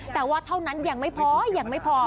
แต่ว่าเท่านั้นยังไม่พอยังไม่พอ